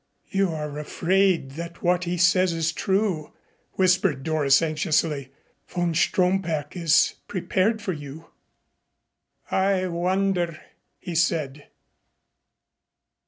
"You are afraid that what he says is true," whispered Doris anxiously. "Von Stromberg is prepared for you." "I wonder," he said.